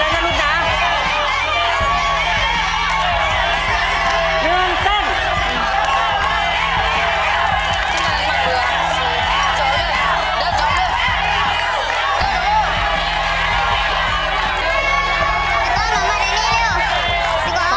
สมาธิดีครับ